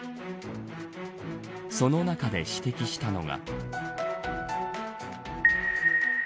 その中で指摘したのが。